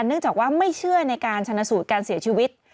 เนื่องจากว่าไม่เชื่อในการชนะสูตรการเสียชีวิต